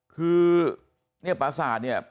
คือเนี่ยปราศาสตร์เนี่ย